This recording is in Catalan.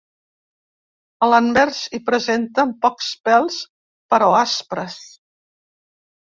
A l'anvers hi presenten pocs pèls però aspres.